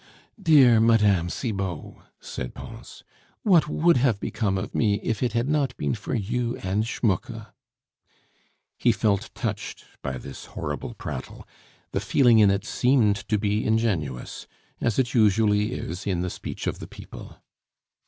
"Dear Mme. Cibot!" said Pons, "what would have become of me if it had not been for you and Schmucke?" He felt touched by this horrible prattle; the feeling in it seemed to be ingenuous, as it usually is in the speech of the people.